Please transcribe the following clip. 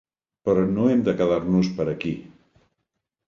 Però no hem de quedar-nos per aquí.